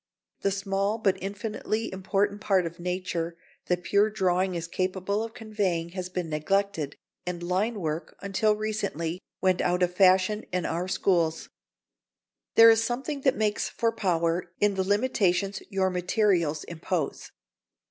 The small but infinitely important part of nature that pure drawing is capable of conveying has been neglected, and line work, until recently, went out of fashion in our schools. There is something that makes for power in the limitations your materials impose.